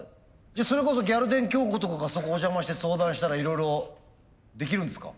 じゃそれこそギャル電きょうことかがそこお邪魔して相談したらいろいろできるんですか？